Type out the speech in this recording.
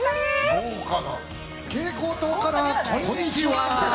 蛍光灯から、こんにちは。